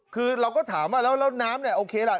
คือเราก็ถามว่าแล้วน้ำเนี่ยโอเคล่ะ